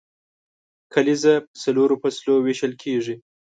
کلیزه په څلورو فصلو ویشل کیږي.